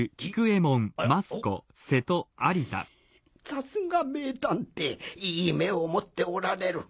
さすが名探偵いい目を持っておられる。